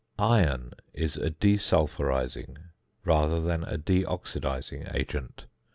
~Iron~ is a de sulphurising rather than a de oxidising agent.